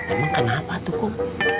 emang kenapa tuh kum